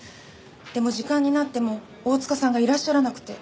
でも時間になっても大塚さんがいらっしゃらなくて。